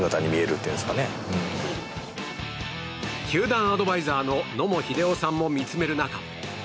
球団アドバイザーの野茂英雄さんも見つめる中